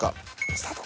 スタート。